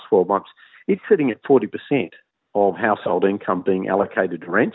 itu mencapai empat puluh keuntungan rumah rumah yang dikumpulkan ke renta